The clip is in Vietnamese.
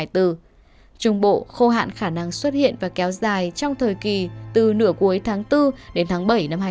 trung bộ khô hạn khả năng xuất hiện và kéo dài trong thời kỳ từ nửa cuối tháng bốn đến tháng bảy năm hai nghìn hai mươi